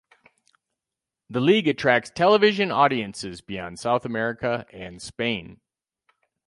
The league attracts television audiences beyond South America and Spain.